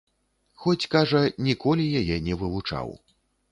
Хоць, кажа, ніколі яе не вывучаў.